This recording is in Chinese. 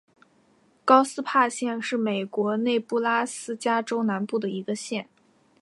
高斯帕县是美国内布拉斯加州南部的一个县。